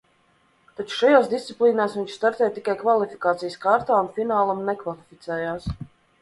Taču šajās diciplīnās viņš startēja tikai kvalifikācijas kārtā un finālam nekvalificējās.